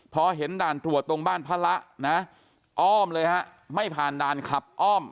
พอเห็นด่านตรวจตรงบ้านพระละนะอ้อมเลยฮะไม่ผ่านด่านขับอ้อม